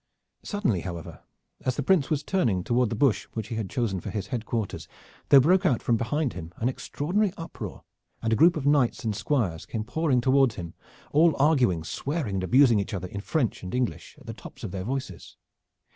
Suddenly, however, as the Prince was turning toward the bush which he had chosen for his headquarters, there broke out from behind him an extraordinary uproar and a group of knights and squires came pouring toward him, all arguing, swearing and abusing each other in French and English at the tops of their voices.